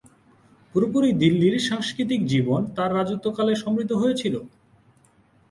পুরোপুরি দিল্লির সাংস্কৃতিক জীবন তাঁর রাজত্বকালে সমৃদ্ধ হয়েছিল।